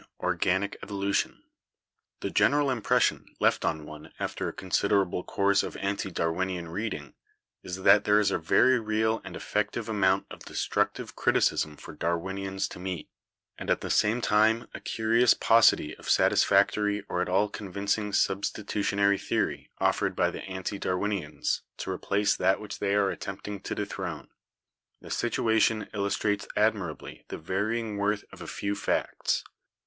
organic evolution. "The general impression left on one after a consider able course of anti Darwinian reading is that there is a very real and effective amount of destructive criticism for Darwinians to meet; and at the same time a curious paucity of satisfactory or at all convincing substitutionary theory offered by the anti Darwinians to replace that which they are attempting to dethrone. The situation il lustrates admirably the varying worth of a few facts.